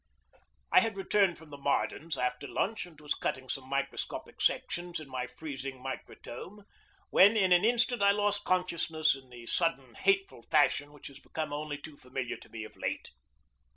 I had returned from the Mardens' after lunch, and was cutting some microscopic sections in my freezing microtome, when in an instant I lost consciousness in the sudden hateful fashion which has become only too familiar to me of late.